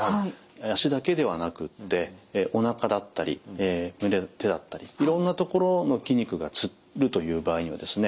足だけではなくっておなかだったり手だったりいろんなところの筋肉がつるという場合にはですね